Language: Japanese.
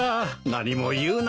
「何も言うな。